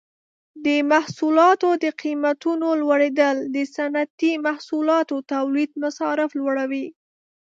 د محصولاتو د قیمتونو لوړیدل د صنعتي محصولاتو تولید مصارف لوړوي.